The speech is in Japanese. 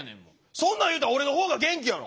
そんな言うたら俺の方が元気やろ。